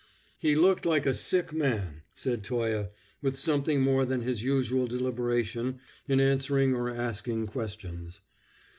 "He looked like a sick man," said Toye, with something more than his usual deliberation in answering or asking questions.